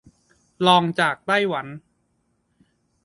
รองจากไต้หวัน